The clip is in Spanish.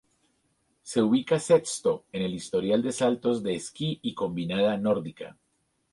Se ubica sexto en el historial de saltos de esquí y combinada nórdica.